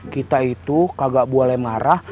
kita itu kagak boleh marah